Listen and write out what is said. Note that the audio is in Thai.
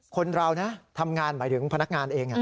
คนเรานะทำงานหมายถึงพนักงานเอง